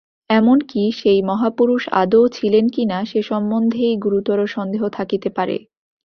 এমন কি, সেই মহাপুরুষ আদৌ ছিলেন কিনা, সে-সম্বন্ধেই গুরুতর সন্দেহ থাকিতে পারে।